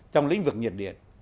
trong lĩnh vực nhiệt điện